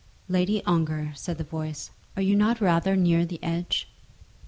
"Lady Ongar," said the voice, "are you not rather near the edge?"